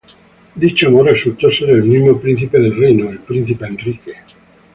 Dicho amor resultó ser el mismo príncipe del reino, el Príncipe Enrique.